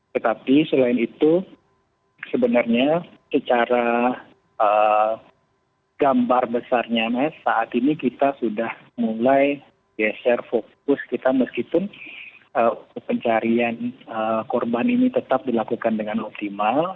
tetapi selain itu sebenarnya secara gambar besarnya mas saat ini kita sudah mulai geser fokus kita meskipun pencarian korban ini tetap dilakukan dengan optimal